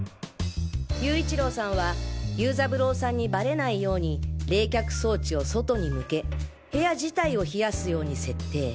勇一郎さんは游三郎さんにばれないように冷却装置を外に向け部屋自体を冷やすように設定。